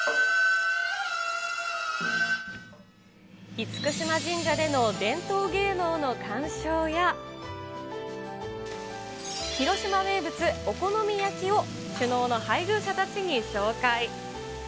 厳島神社での伝統芸能の鑑賞や、広島名物、お好み焼きを首脳の配偶者たちに紹介。